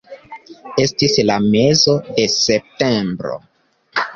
Estis la mezo de septembro.